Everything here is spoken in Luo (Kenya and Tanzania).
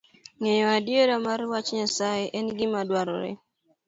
Ng'eyo adiera mar wach Nyasaye en gima dwarore